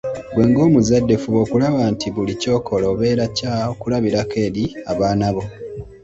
Ggwe ng’omuzadde fuba okulaba nti buli ky’okola obeera kya kulabirako eri abaana bo.